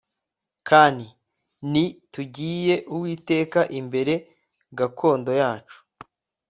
kan ni tugiye uwiteka imbere gakondo yacu